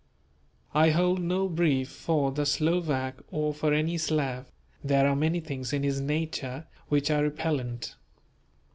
I hold no brief for the Slovak or for any Slav; there are many things in his nature which are repellent.